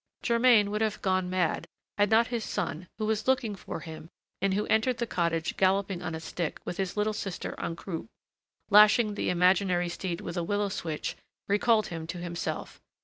Germain would have gone mad, had not his son, who was looking for him and who entered the cottage galloping on a stick, with his little sister en croupe, lashing the imaginary steed with a willow switch, recalled him to himself.